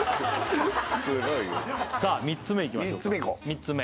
さあ３つ目いきましょうか３つ目